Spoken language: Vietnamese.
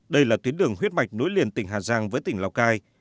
đây là tuyến đường huyết mạch nối liền tỉnh hà giang với tỉnh lào cai